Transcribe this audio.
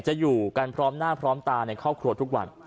อยู่กันพร้อมหน้าพร้อมตาในครอบครัวทุกวัน